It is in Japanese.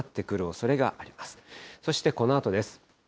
そしてこのあとです。